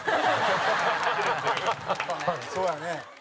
そうやね。